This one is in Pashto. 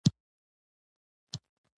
کوچيان په پسرلي کې پر کډه لرګي اچوي.